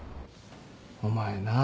お前なぁ